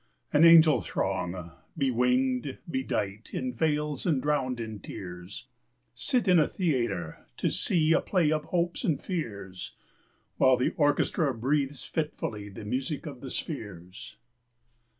An angel throng, bewinged, bedightIn veils, and drowned in tears, Sit in a theatre, to seeA play of hopes and fears, While the orchestra breathes fitfullyThe music of the spheres.